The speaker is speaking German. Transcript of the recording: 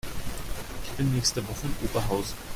Ich bin nächste Woche in Oberhausen